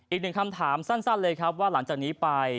อีกหนึ่งคำถามสั้นเลยครับว่าหลังจากนี้ไป